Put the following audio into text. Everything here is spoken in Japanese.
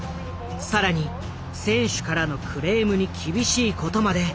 更に選手からのクレームに厳しいことまで平林は伝えていた。